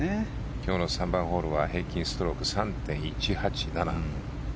今日の３番ホールは平均ストロークは３．１８７。